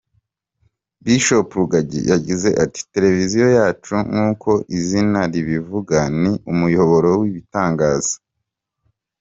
Bishop Rugagi yagize ati: Television yacu nk’uko izina ribivuga, ni umuyoboro w’ibitangaza.